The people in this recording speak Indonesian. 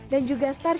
dan juga starcraft